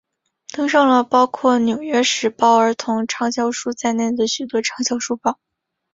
登上了包括纽约时报儿童畅销书在内的许多畅销书榜。